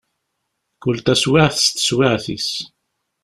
Kul taswiɛt s teswiɛt-is.